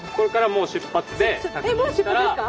もう出発ですか？